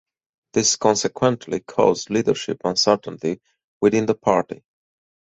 This consequently caused leadership uncertainty within the party.